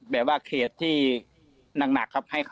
แบบว่าเขตที่หนักครับ